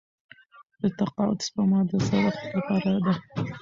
د تقاعد سپما د زړښت لپاره ده.